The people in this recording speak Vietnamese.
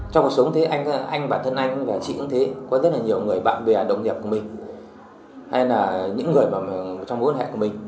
trong cuộc sống thì anh và thân anh và chị cũng thế có rất nhiều người bạn bè đồng nghiệp của mình hay là những người trong mối quan hệ của mình